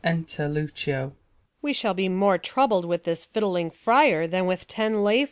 Enter Lucio. Luc. We shall be more Troubled with this fiddling friar, than with ten Lay fools.